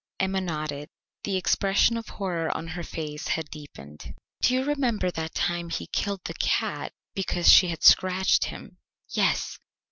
Emma nodded; the expression of horror on her face had deepened. "Do you remember that time he killed the cat because she had scratched him?" "Yes.